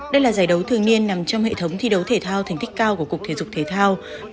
đây là giải đấu thường niên nằm trong hệ thống thi đấu thể thao thành tích cao của cục thể dục thể thao